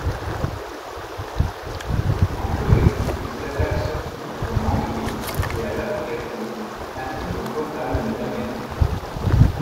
En Floride, il s'attaque surtout au manguier et à l'avocatier, ainsi qu'au copalme d'Amérique.